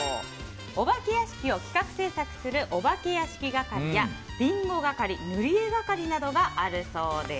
お化け屋敷を企画・制作するお化け屋敷係やビンゴ係塗り絵係などがあるそうです。